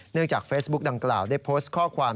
จากเฟซบุ๊กดังกล่าวได้โพสต์ข้อความ